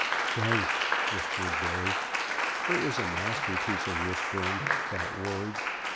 "Thanks!" whispered Billy. It was a masterpiece of whispering, that word.